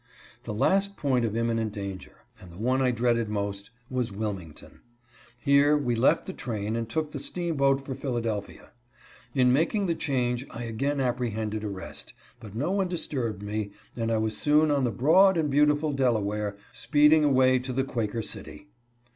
The last point of imminent danger, and the one I dreaded most, was Wilmington. Here we left the train and took the steamboat for Philadelphia. In making the change I again apprehended arrest, but no one dis turbed me, and I was soon on the broad and beautiful Delaware, speeding away to the Quaker City.